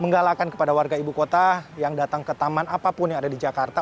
menggalakan kepada warga ibu kota yang datang ke taman apapun yang ada di jakarta